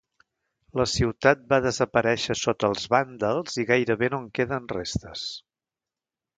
La ciutat va desaparèixer sota els vàndals i gairebé no en queden restes.